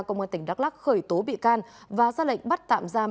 công an tỉnh đắk lắc khởi tố bị can và ra lệnh bắt tạm giam